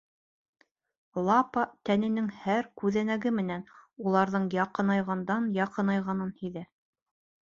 Лапа тәненең һәр күҙәнәге менән уларҙың яҡынайғандан-яҡынайғанын һиҙә.